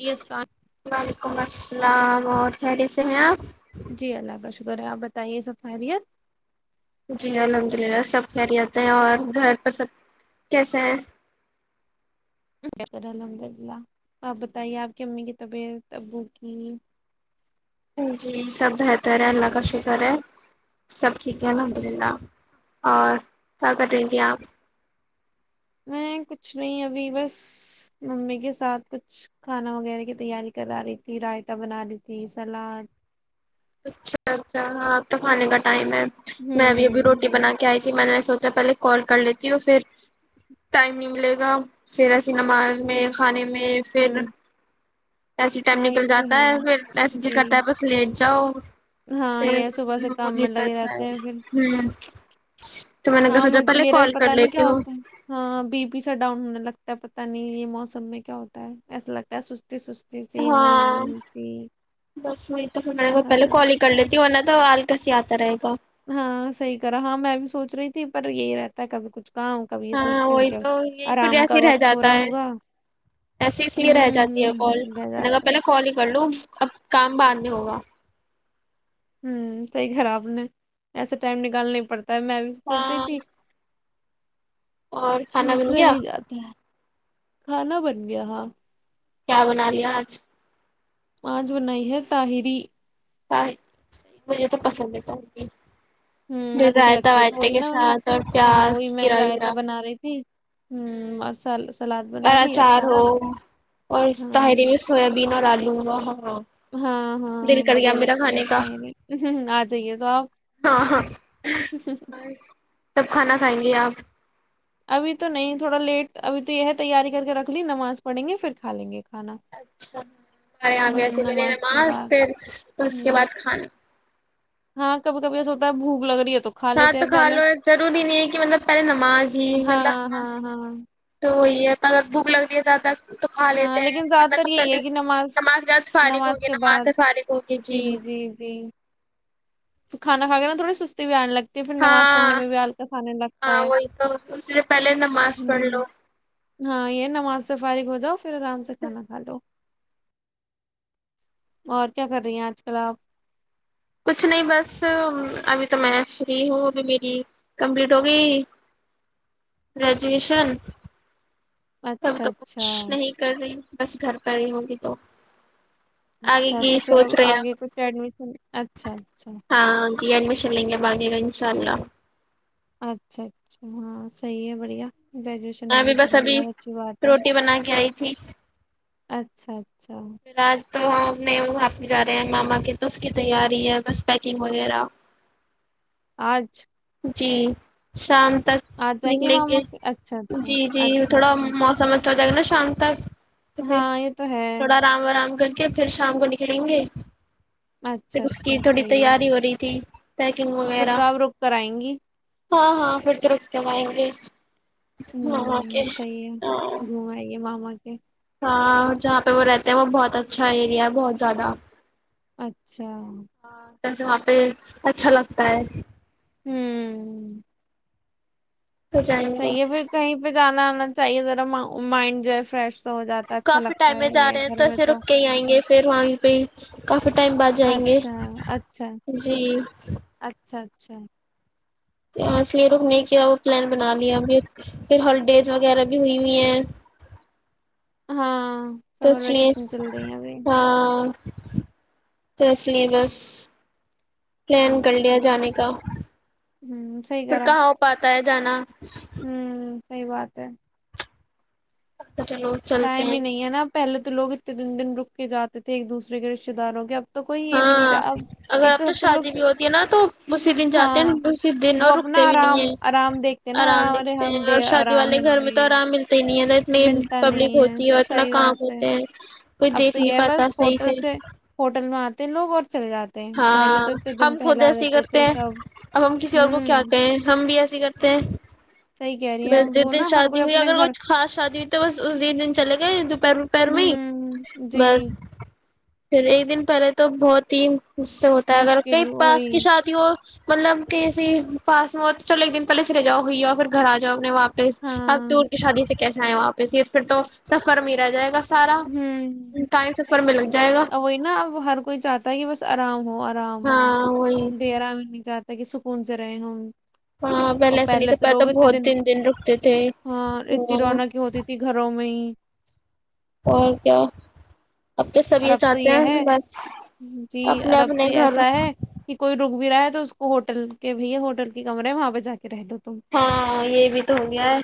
جی السلام وعلیکم السلام [unintelligible] اللام اورہ ٹھریے سے ہیں آپ جی اللہ کا شکر ہے آپ بتائیے سفاریت [unintelligible] بر الحمد للہ آپ بتائیے آپ کی امی کی طبیعت ابو کی جی سب بہتر ہے اللہ کا شکر ہے سب ٹھیک ہے الحمد للہ اور کیا کر رہی تھی آپ میں کچھ نہیں ابھی بس ممی کے ساتھ کچھ کھانا وغیرہ کی تیاری کرا رہی تھی رائتہ بنا رہی تھی سلاد اچھا اچھا ہاں اب تو کھانے کا ٹائم ہے میں بھی ابھی ہوں روٹی بنا کے آئی میں نے سوچا پہلے کال کر لیتی اور پھر ٹائم نہیں ملے گا پھر ایسی نماز میں کھانے میں میں ہوں پھر ایسی ٹائم ہاں نکل یہ تو جاتا ہے پھر ایسے د جی کرتا ہے بس لیٹ جاؤ پ ہاں یہ صبح سے کام نہیں میں پ لگے ہے رہتے ہیں پھر ہ [unintelligible] ہاں مج میرا بھی پتا نہیں لیتی کیا ہوں ہوتا ہے ہاں بی پی سا ڈاؤن ہونے لگتا پتا نہیں ہے یہ موسم میں کیا ہوتا ہے ایسا لگتا ہے س ہاں بس وہیں تو پھر میںے ایسا نہ پہلے کال ہی کر لگتا ہے لیتی ہ ورنہ تو کیسے آتا رہے گا ہاں صحیح کرا ہاں میں بھی سوچ رہی تھی پر یہی رہتا ہے کبھی کچھ کام کبھی یہ ہاں سوچتی ہوں وہی کہ تو یہ پھر آرام جیسے کا ہی رہ وقت ہو جاتا رہا ہے ہوگا ایسے اس لیے رہ ہوں جاتی ہے کال ہوں رہ میں نے کہا جاتا ہے پہلے کال ہی کر لوں اب کام بعد نہیں ہوگا ہ صحیح خراب ن ایسا ٹائم نکالنا پڑتا پر میں بھی سونچ رہی ہاں تھی اور کھانا بن بس رہ گیا ہی جاتا ہے کھانا بن گیا ہاں کیا بنا رہی آج آج بنائی ہے طاہری سحی مجھے تو پسند ہے تاہری ہمم اچھی لگتی ہے تو وہی نا انہیں اور ہاں پیاز وہی میں کھیرا ویرا رائتا بنا رہی تھی ہمم اور س سلاد بنا اور لی اچار ہو ہمم بین اور الوں اوہو ہاں ہاں بڑھیا کھانے لگتا کا ہے آ جائیے تو آپ ہاں سب کھانا کھائیں گے آپ ابھی تو نہیں تھوڑا لیٹ ابھی تو یہ تیاری کر کے رکھ لی نماز پڑیں گے پھر کھا لیں گے کھانا اچھا ہمارے یہاں ہوں پسے بہلے کے نماز بعد پھر اس کے ہوں بعد کھانا ہاں کب کبھی ایس ہوتا ہے بوک لگ رہی ہے تو ہاں لیتے تو ہیں کھا پہلے لو ضروری نہیں ہے کہ مطلب پہلے نماز ہی مطلب ہاں تو وہی اگر بھوک لگتی ہے زیادہ تو کھا لیتے ہاں ہیں لیکن زیادہ ورنہ تر تو یہی پہلے ہے کہ نماز یاد فارغ کے ہوگی نماز سے بعد فارغ ہوگی جی کھانا کھا کے نہ تھوڑی سستی بھی آ لگتی پھر نماز پڑھنے ہاں میں بھی ہلکاس آنے لگتا ہاں ہے وہی تو اس لیے پہلے نماز پڑھ ہمم لو ہاں یہ نماز سے فارگ ہو جاو پھر آرام سے کھانا کھا لو اور کیا کر رہی ہیں آج کل آپ کچھ نہیں بس ابھی تو میں فری ہوں میری کمپلیٹ ہو گئی گریجویشن تب اچھا تو اچھا کچھ نہیں کر رہی بس گھر پہ رہی ہگی تو آگے اچھا کی تو پھر اب سوچ رہے ہیں آپ آگے کچھ ایڈمیشن اچھا اچھا ہاں جی ایڈمیشن لیں گے باغی گنج انشاء اللہ اچھا اچھا ہاں صحیح ہے بڑھیا گریجویشن ہو گئی ابھی بس چلیے ابھی بہت اچھی بات ہے روٹی بنا کے آئی تھی اچھا پھر آج توہم اپنے وہاں پہ جا رہے ہیں ماما کے تو اس کی تیاری ہے بس پیکنگ وغیرہ آج جی شام تک آج جائیں نکلیں گے ماما کے اچھا اچھا جی جی اچھا تھوڑا اچھا موسم ہو جائے گا نا شام تک تو پھر ہاں یہ تو ہے تھوڑا آرام آرام کر کہ پھر شام کو نکلیں گے اچھا پھر اس کی اچھا تھوڑی صحیح ہے تیاری ہو رہی تھی پیکنگ پھر وغیرہ تو آپ رک کر آئیں گی ہاں ہاں پھر تو ہم رک کرائیں گے ہاں اوکے ہوں صحیح ہاں ہے گھوم آئیے [unintelligible] کاں جہاں پہ وہ رہتے ہیں وہ بہت اچھا ایریا ہے بہت زیادہ اچھا ہاں جیسے وہاں پہ اچھا لگتا ہے ہمم تو جائیں گے چاہیے پھر کہیں پہ جانا چاہیے ذرا مائنڈ جو ہے فرش کافی ٹائم میں جا رہے ہیں تو ایسے رک کے ہی آئیں گے پھر وہیں پہ کافی ٹائم بعد جائیں گے اچھا اچھا جی اچھا اچھا اس لیے رک ئنے کیا پلان بنا ہوں، لیا میں پھر ہالیڈیز وغیرہ بھی ہوئی ہوئی ہیں ہاں سمر تسلیس ویکیشن چل رہی ہیں ابھی ہاں تسلی بس پلان کر اچھا لیا جانے کا ہوں پھر کہا ہو پاتا ہے جانا ہمم صحیح بات ہے تو چلو چلتے ٹائم ہیں ہی نہیں ہے نا پہلے تو تولوگ اتنے تن دن رک کے جاتے تھے ایک دوسرے کے رشتے داروں کے اب تو کوئی یہ بھی نہیں ہاں چاہ اب اگر ایک اب تو سب سے لوگ شادی بھی ہوتی ہے نا تو اسی دن جاتے ہیں ہاں اسی دن وہ اور اپنا رکتے بھی نہیں آرام ہے آرام دیکھتے ہیں نا آرام ارے دکھتے ہم ہیں اور بے شادی آرام والے ہوں گھر میں گے تو آرام ملتے ہی نہیں ہے اتنی ملتا پبلک نہیں ہوتی ہے اور اتنا صحیح کام بات ہے ہوتے ہیں کوئی اب دیکھ تو یہ نہیں ہے پاتا بس صحیح ہوٹل سے ہوٹل میں آتے لوگ اور چلے جاتے ہیں پہلے ہاں تو اتنے دن ہم خود پہلے آ ایسیے ہی جاتے کرتے تھے ہیں سب اب ہم کسی اور کو کیا ہوں کہیں ہم بھی ایسیے ہی کرتے صحیح کہہ ہیں رہی ہیں اب بس وہ جس دن نا ہر شادی کوئی ہوئی اپنے اگر گھر کچھ خاص شادی ہوئی تو بس اس جس دن چلے گئے دوپہر وپہر میں ہی ہوں جی بس پھر ایک دن پہلے تو بہت ہی اس سے ہوتا ہے اگر مشکل کئی پاس وہی کی شادی ہو مطلب کہی سے پاس میں چلو ایک دن پہے چرے جاؤ ہوئی ہے اور پھر گھر آ جاؤ اپنے واپس اب ہاں تو شادی سے کیسا ہے واپس یہ پھر تو سفر میں رہ جائے گا سارا ہمم ٹائم سفر میں لگ جائے گا ا وہی نا اب ہر کوئی چاہتا ہے کہ بس آرام ہو کام ہاں وہی ڈیرا بھی نہیں چاہتے تے کہ سکون سے رہے ہم ہاں پہلے ایسا نہیں تھا پہ تو بہت دن دن رکتے تھے ہاں اتنی ہاں رونقیں ہوتی تھی گھروں میں ہی اور کیا؟ اب کے سب اور یہ اب تو چاہتے ہیں ہے بس جی اور اپنے اب تو اپنے یہ گھر ایسا ہے کہ کوئی رک بھی رہا ہے تو اس کو ہوٹل کے بھیھ ہوٹل کی کمرے ہے وہاں پہ جا کے رہ لو تم ہاں یہ بھی تو ہو گیا ہے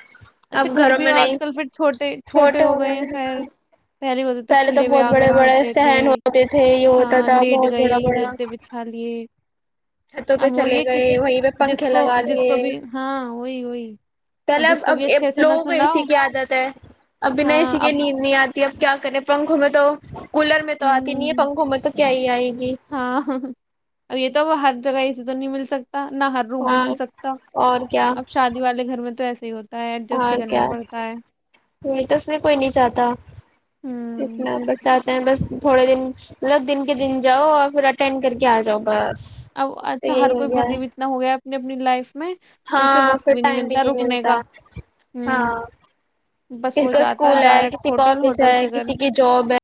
اچھا اب گھر گھروں بھی میں نہیں آج کل پھر چھوٹے چھوٹے ہو ہیں خیر گئے ہوتے پہلے تو کھلے ہوئے بہت بڑے آنگن بڑے ہوتے تھے سہن ہوتے تھے یہ ہوتا ہاں تھا لیٹ بہت بڑا گئے بڑا گدے بچھا لیے چھتوں پہ اب چلے وہی ہے گئے کسی وہیں پہ جس پنکھے کو لگا جس لیے کو بھی ہاں وہی وہی پہلے جس کو اب بھی اچھے سے نہ لوگوں کو اے سی سناؤ کی عادت ہے اب بنا اے ہاں سی کے اب نیند نہیں آتی کہ اب کیا کریں پنکھوں میں تو کولر میں تو آتی نہیں ہے ہوں پنکھوں میں تو کیا ہی آئے گی ہاں اب یہ تو ہر جگہ یہے تو نہیں مل سکتی نہ ہر روم میں ہاں مل سکتا اور کیا اب شادی والے گھر میں تو ایسے [unintelligible] اور ہی کرنا کیا پڑتا ہے وہی تو اس میں کوئی نہیں چاہتا ہوں اتنا بچہ بس تھوڑے دن مطلب دن کے دن جاؤ اور پھر اٹینڈ کر کے آ جاؤ بس اب تو اچھا یہی ہر ہو کوئی گیا ہے بزی اتنا ہو گیا اپنی اپنی لائف میں اسے ہاں وقت پھر ٹائم بھی نہیں رکنے ملتا کا ہاں ہوں بس کسی وہ کو جاتا اسکول ہے ڈائریکٹ کسی کا ہوٹل آفس ہوٹل ہے کسی کی جاب ہے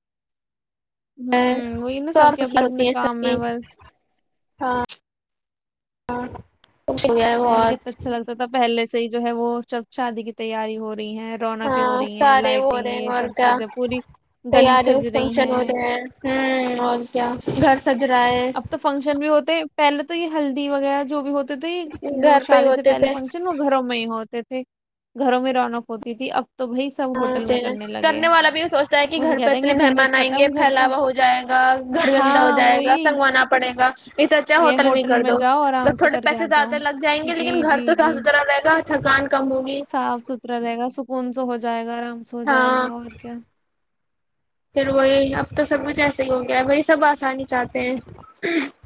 ہمم وہی نا سب کے اپنے ہوتی اپنے ہیں سب کام میں کی بس ہاں ہاں پہلے کتنا اچھا لگتا تھا پہلے سے سے جو ہے وہ جب شادی کی تیاری ہو رہی ہیں رونقیں ہو ہاں رہی ہیں سارے ہو لائٹنگ رہے یہ ہیں اور سب کیا چیزیں پوری گلی تیاری سج رہی فنکشن ہو رہے ہیں ہ اور کیا گھر سج رہا ہے اب تو فنکشن بھی ہوتے پہلے تو یہ ہلدی وغیرہ جو بھی ہو تھے جو گھر پہ ہی شادی سے ہوتے پہے تھے فنکشن وہ گھروں میں ہی ہوتے تھے گھروں میں رونق ہوتی تھی اب تو بھائی سب ہوٹل میں ہاں لگے کرنے ہیں والا بھی یہ سوچتا ہے کہ وہ تو گھر پہ کہتے ہیں کہ اتنے جھنجٹ مہمان آئیں گے ختم گھر کا پھیلاوا ہو جائے گا گھر گندا ہو ہاں جائے گا وہی سنگ آنا پڑے گا اسھ اچا یہ ہوٹل میں ہی کر دو جاؤ آرام بس سے تھوڑے کر کے آ پیسے جاؤ زیادہ لگ جائیں گے جی لیکن جی گھر تو صاف جی ستھرا رہے گا تھکان کم ہوگی کون سا ہو جائے گاا سو جائے ہاں گا اور کیا پھر وہی اب تو سب کچھ ایسے ہی ہو گیا ہے بھائی سب آسانی چاہتے ہیں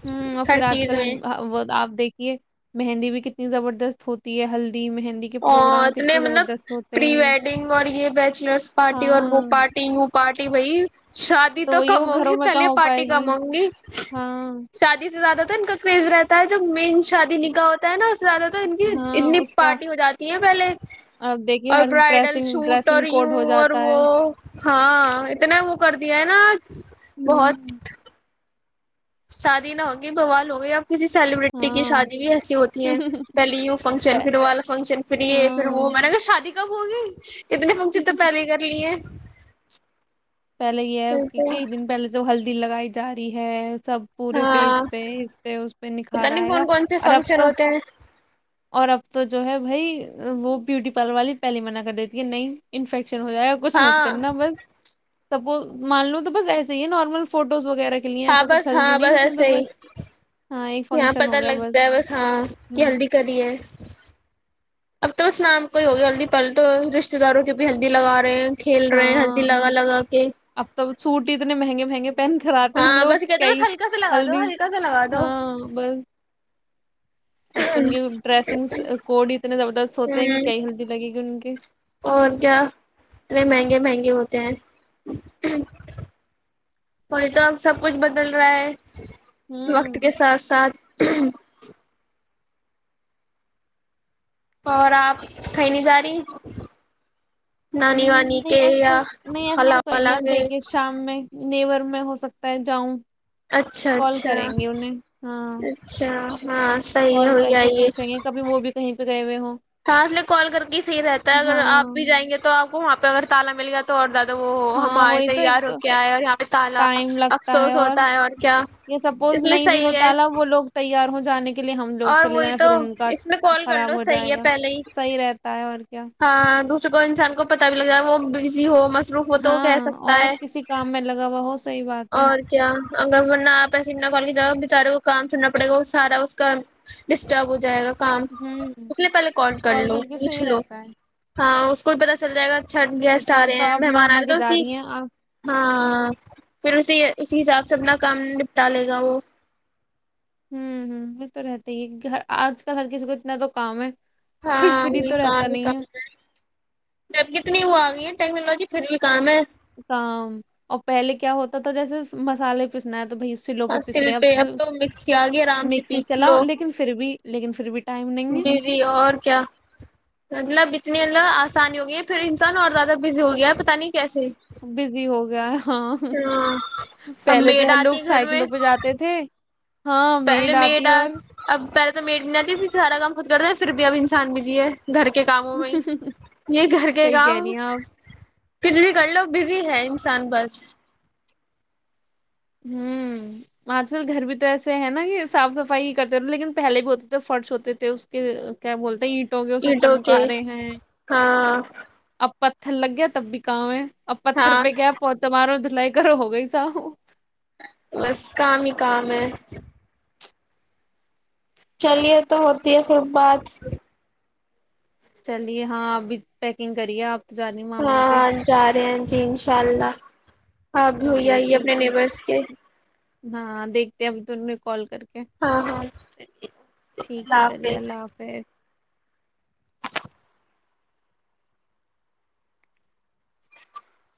ہوں اور ہر پھر آج چیز کل میں آ- وہ آپ دیکھیے مہندی بھی کتنی زبردست ہوتی ہے ہلدی مہندی کے اور پروگرام اتنے کتنے مطلب زبردست ہوتے پری ہیں ویڈنگ اور یہ بیچلرس پارٹی اور وہ ہاں پارٹی پارٹی بئی شادی تو وہی وہ کم ہوگی گھروں میں کہاں پہلے ہو پارٹی پائے کم ہوں گی ہاں شادی سے زیادہ کرز رہتا ہے جو مین شادی نکا ہوتا ہے نا زیادہ تر ان کی ہاں اتنی اس کا پارٹی ہو جاتی ہیں پہلے اب دیکھیے اور ہر برائڈل ڈریسنگ سوٹ اور ڈریسنگ کوڈ یوں ہو اور جاتا وہ ہے ہاں اتنا وہ کر د ہے نا بہت [unintelligible] شادی نہ ہوگی بوال ہوگی یا کسی سیلیبرٹی کی ہاں شادی بھی ایسی ہوتی ہے پہلے یو فنکشن پہ- پھر وہ والا فنکشن پھر یہ پھر وہ میں ہاں نے اگر شادی بو گی اتنی فنکشن تو پہلے ہی کر لی ہے پہلے یہ ہے کہ کئی دن پہلے تو ہلدی لگائی ج رہاری ہے سب پورے ہاں فیس پہ اس پہ اس پہ پتا نکھار نہیں آئے گا کون کون سے اور اب فنکشن تو ہوتے ہیں اور اب تو جو ہے بھائی وہ بیوٹی پارلر والی پہلیے منع کر دیتی ہے نہیں انفیکٹ شن ہو جائے گا کچھ مت ہاں کرنا بس سپوز مان لو تو بس ایسے ہی ہے نارمل فوٹوز وغیرہ کے لیے ہاں ایسا بس کچھ ہلدی ہاں بس نہیں اس میں تو ایسے ہی بس ہاں ایک یہاں فنکشن پتا ہو گیا لگتا ہے بس ہاں کہ ہوں ہلدی کری ہے اب تو بس نام کو ہی ہوگیا ہلدی پل تو رشتے داروں کی بھی ہلدی لگا رہے ہیں کھیل رہے ہیں ہدی لگا لگا کے سٹ اتنے مہنے مہنگے پہن کرراتے ہیں ہاں لوگ بس کہتے بس کئی ہلکا سا لگا دو ہلدی ہلکا سا لگا دو ہاں بس اب تو ان کے ڈریسنگ کوڈ اتنے زبردست ہوتے ہیں کہ ہوں کیائی ہلدی لگے گی ان کے اور کیا اتنے مہنگے مہنگے ہوتے وہی تو اب سب کچھ بدل رہا ہے وقت ہوں کے ساتھ ساتھ [inaudible] اور آپ کہیں نہیں جا رہی نانی ہوں وانی کے نہیں ایسے یا نہیں ایسے خلا تو کوئی نہیں والال اب کے دیکھیے شام میں نیور میں ہو سکتا ہے جاؤں اچھا کال اچھا کریں گے انہیں ہاں اچھا ہاں صحیح ہے کال ہوئی کر کے آئیے پوچھیں گے کبھی وہ بھی کہیں پ گئے ہوئے ہوں ہاں لیے کال کر کے ہی صحیح رہتا ہے اگر آپ ہاں بھی جائیں گے تو آپ کو وہاں پہ اگر تالا ملے گا تو توور د وہ ہاں ہمارے وہی تو ایک تیار ہو تو کےئے اور یہاں پہ تالا افسوس ہوتا ہے اور کیا یہ سپوز اس لیے صحیح ہے جان کے لیے ہم لوگ اور چلے وہی جائیں تو پھر ان کا اس میں کال کر خراب لو ہو صحیح جائے ہے گا پہلے ہی صحیح رہتا ہے اور کیا ہاں دو کو انسان کو پتا بھی لگا ہے وہ بزی ہو مصروف ہو تو وہ کہہ ہاں سکتا اور ہے کسی کام میں لگا ہوا ہو صحیح بات ہے اور کیا اگر ورنہ آپ ایسے اتنا کال کی ج بتاارے کام چنا پڑے گا وہ سارا اس کا ڈسٹرب ہو جائے گا کام ہوں اس لیے پہلے کال کر لو کے پوچھ صحیح لو رہتا ہے ہاں کوئی پتا چل جائے گا چ گیسٹ آ تب رہے تو ہیں آپ مہمان آ ماما رہے کے تو اس جا رہی ہیں آپ ہاں ہوں پھر اسی اسی حساب سے اپنا کام نپٹا لے گا وہ ہوں ہ یہ تو رہتے ہی آج کل ہر کسی کو اتنا تو کام ہے کوئی ہاں فری وہ تو کام رہتا نہیں کام ہے جب کتنی وہ آ گئی ہے ٹیکنالوجی پھر بھی کام ہے کام اور پہلے کیا ہوتا تھا جیسے مسالے پسنا ہے تو بھائی سلوں پہ پس تصل رہے ہیں، پہ اب تو مکس یاگے رام سے مکسی پیس چلاؤ لو لیکن پھر بھی لیکن پھر بھی ٹائم نہیں ہے بزی اور کیا مطلب اتنے ط آسانی ہو گئی ہے پھر انسان اور زیاہ بزی ہو گیا ہے پتا نہیں کیسے بزی ہو گیا ہاں ہاں اب پہلے جو میڈ ہے آتی لوگ گھر میں سائیکلوں پہ جاتے تھے ہاں پہلے میڈ میر آتی اور ڈ اب پہل تو میری بھی نہیں سارا کام خود کرتا ہے پھر بھی اب انسان بھیجی ہے گھر کے کاموں میں یہ گھر کے صحیح کہہ کام رہی ہیں آپ کجلی کر لو بزی ہے انسان بس ہوں آج کل گھر بھی تو ایسے ہیں نا کہ صاف صفائی ہی کرتے رہ لیکن پہلے بھی ہوتے تھے فرش ہوتے تھے اس کے کیا بولتےٹ اٹوکے ہاں اب پتھر لگیا تب بھی کا ہے اب پتھر ہاں پہ گیا پہنچا مارا دھ لائی گھر ہو گئی س بس کام ہی کام ہے چلیے تو ہوتی ہے خھر بات چلیے ہاں اپ بھی پیکنگ کریے آپ تو جانی ماما کے ہاں جا رہے ہیں جی انشاء اللہ آپ بھی ہو ہی چلیے آئیے اپنے ٹھیک ہے نیبرس کے ہاں دیکھتے ہیں اب تووں نے کال کر کے ہاں ہاںلی اوکے ٹھیک ہے اللہ چلیے حافظ اللہ حافظ